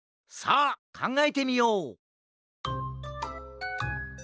さあかんがえてみよう！